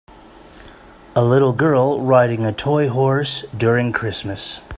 A little girl riding a toy horse during Christmas.